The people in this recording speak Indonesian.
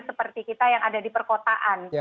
seperti kita yang ada di perkotaan